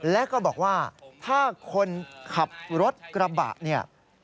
แล้วก็บอกว่าถ้าคนขับรถกระบะเนี่ย